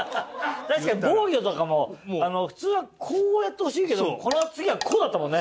確かに防御とかも普通はこうやってほしいけどこの次はこうだったもんね。